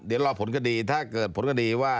เดี๋ยวรอผลคดีถ้าเกิดผลคดีว่า